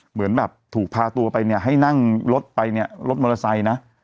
เหมือนแบบถูกพาตัวไปเนี่ยให้นั่งรถไปเนี่ยรถมอเตอร์ไซค์นะ